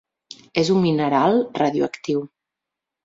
És un mineral radioactiu.